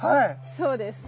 そうです。